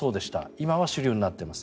今は主流になっています。